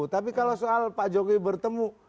tapi kalau soal pak jokowi bertemu